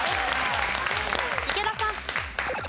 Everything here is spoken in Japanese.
池田さん。